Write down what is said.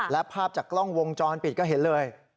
และภาพจากกล้องวงจรปิดก็เห็นเลย